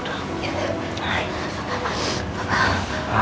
thank you tuhan